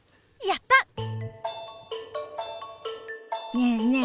ねえねえ